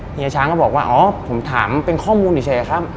เฮียช้างก็บอกว่าอ๋อผมถามเป็นข้อมูลเฉยครับ